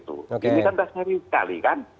oke ini kan berasal dari itali kan